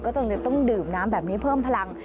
ก็เลยต้องดื่มน้ำแบบนี้เพิ่มพลัง